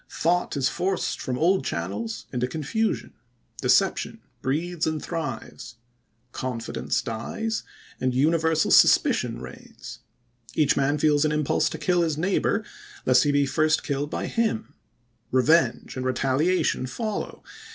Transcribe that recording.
Thought is forced from old channels into confusion. De ception breeds and thrives. Confidence dies and universal suspicion reigns. Each man feels an impulse to kiU his neighbor, lest he be first killed by him. Revenge and retaliation follow.